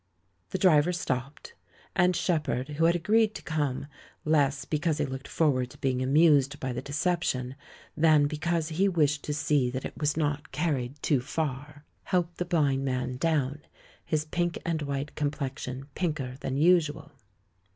The driver stopped; and Shepherd, who had agreed to come, less because he looked forward to being amused by the deception than because he wished to see that it was not carried too far, 108 THE MAN WHO UNDERSTOOD WOMEN helped the blind man down, his pink and white complexion pinker than usual.